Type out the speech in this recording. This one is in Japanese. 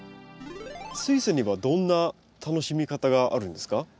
スイセンにはどんな楽しみ方があるんですか？